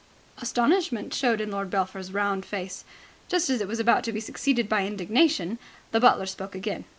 Astonishment showed in Lord Belpher's round face. Just as it was about to be succeeded by indignation, the butler spoke again.